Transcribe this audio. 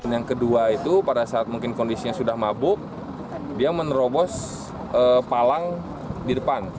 yang kedua itu pada saat mungkin kondisinya sudah mabuk dia menerobos palang di depan